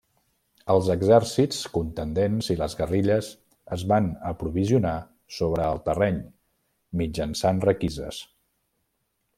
Els exèrcits contendents i les guerrilles es van aprovisionar sobre el terreny mitjançant requises.